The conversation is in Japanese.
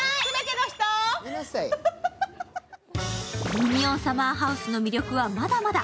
ミニオンサマーハウスの魅力はまだまだ。